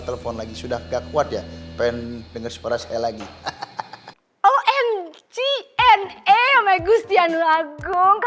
telepon lagi sudah gak kuat ya pengen denger suara saya lagi omg n eo megus dian lagong